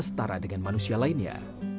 setara dengan manusia lainnya